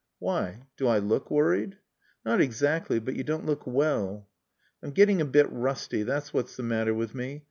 "Why? Do I look worried?" "Not exactly, but you don't look well." "I'm getting a bit rusty. That's what's the matter with me.